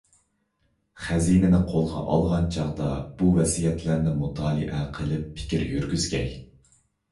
خەزىنىنى قولغا ئالغان چاغدا بۇ ۋەسىيەتلەرنى مۇتالىئە قىلىپ پىكىر يۈرگۈزگەي.